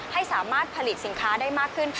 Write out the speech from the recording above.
ให้สามารถผลิตสินค้าได้มากขึ้น